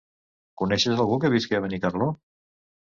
Coneixes algú que visqui a Benicarló?